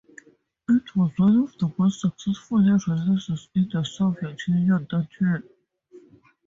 It was one of the most successful releases in the Soviet Union that year.